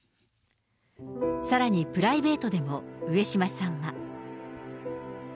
さらに、プライベートでも、上島さんは。